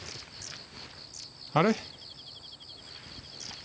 あれ？